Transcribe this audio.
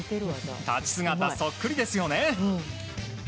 立ち姿、そっくりですよね。